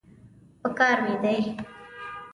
پکار مې دی.